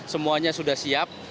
semuanya sudah siap